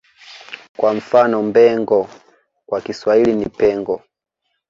Kwa mfano Mbengo kwa Kiswahili ni Pengo